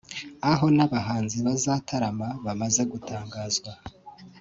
aho n’abahanzi bazatarama bamaze gutangazwa